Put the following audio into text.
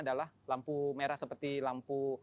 adalah lampu merah seperti lampu